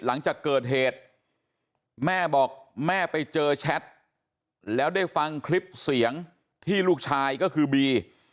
หลังจากเกิดเหตุแม่บอกแม่ไปเจอแชทแล้วได้ฟังคลิปเสียงที่ลูกชายก็คือบี